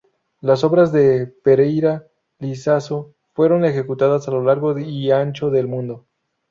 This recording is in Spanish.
Las obras de Pereyra-Lizaso fueron ejecutadas a lo largo y ancho del mundo.